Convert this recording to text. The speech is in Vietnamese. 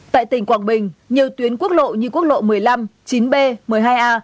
tại tỉnh quảng bình nhiều tuyến quốc lộ như quốc lộ một mươi năm chín b một mươi hai a